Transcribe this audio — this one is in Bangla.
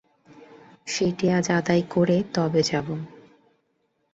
সেইটে আজ আদায় করে তবে যাব।